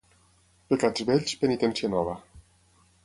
Pecats vells, penitència nova.